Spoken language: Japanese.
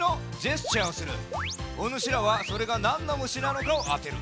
おぬしらはそれがなんの虫なのかをあてる。